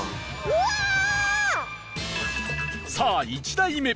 さあ、１台目。